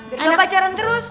biar gak pacaran terus